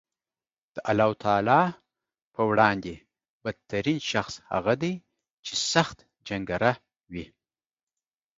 د الله تعالی په وړاندې بد ترین شخص هغه دی چې سخت جنګېره وي